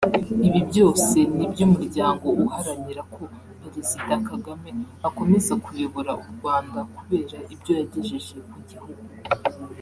Ibi byose nibyo umuryango uharanira ko Perezida Kagame akomeza kuyobora u Rwanda kubera ibyo yagejeje ku gihugu